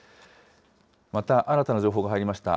また新たな情報が入りました。